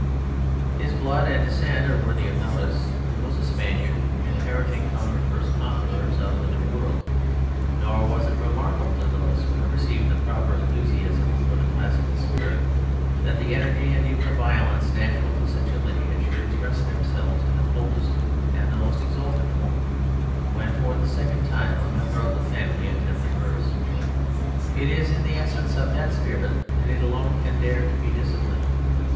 His blood and descent are worthy of notice. He was a Spaniard, inheriting from the first Conquerors of the New World, nor was it remarkable to those who have received a proper enthusiasm for the classical spirit that the energy and even the violence natural to such a lineage should express themselves in the coldest and the most exalted form when, for the second time, a member of the family attempted verse. It is in the essence of that spirit that it alone can dare to be disciplined.